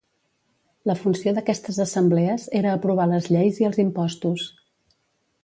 La funció d'aquestes assemblees era aprovar les lleis i els impostos.